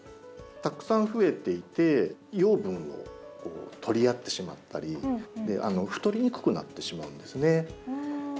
たくさん増えていて養分を取り合ってしまったり太りにくくなってしまうんですね。